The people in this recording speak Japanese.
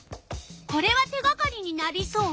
これは手がかりになりそう？